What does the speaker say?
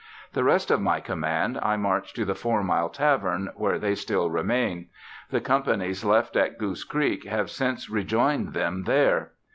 The rest of my command I marched to the Four Mile Tavern, where they still remain. The companies left at Goose Creek have since rejoined them there.